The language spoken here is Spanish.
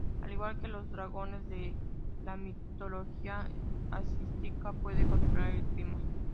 Al igual que los dragones de la mitología asiática, puede controlar el clima.